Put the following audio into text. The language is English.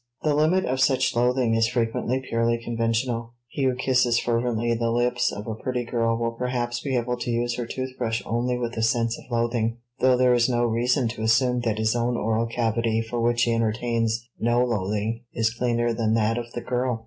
The limit of such loathing is frequently purely conventional; he who kisses fervently the lips of a pretty girl will perhaps be able to use her tooth brush only with a sense of loathing, though there is no reason to assume that his own oral cavity for which he entertains no loathing is cleaner than that of the girl.